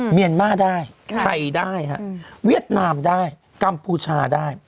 เมียนมาร์ได้ไทยได้ฮะเวียดนามได้กัมพูชาได้